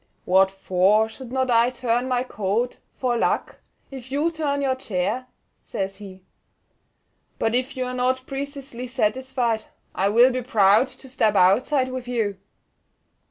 "What for should not I turn my coat, for luck, if you turn your chair?" says he. "But if you are not preceesely satisfied, I will be proud to step outside with you."